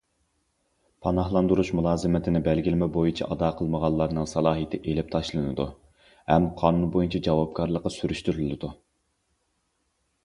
پاناھلاندۇرۇش مۇلازىمىتىنى بەلگىلىمە بويىچە ئادا قىلمىغانلارنىڭ سالاھىيىتى ئېلىپ تاشلىنىدۇ ھەم قانۇن بويىچە جاۋابكارلىقى سۈرۈشتۈرۈلىدۇ.